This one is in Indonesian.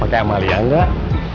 pakai emalian gak